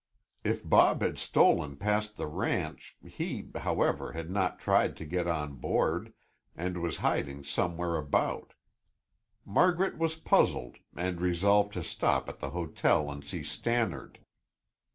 If Bob had stolen past the ranch, he, however, had not tried to get on board and was hiding somewhere about. Margaret was puzzled and resolved to stop at the hotel and see Stannard.